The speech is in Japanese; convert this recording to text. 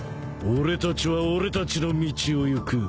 俺たちは俺たちの道を行く！